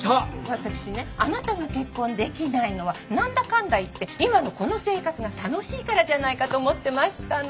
わたくしねあなたが結婚出来ないのはなんだかんだ言って今のこの生活が楽しいからじゃないかと思ってましたの。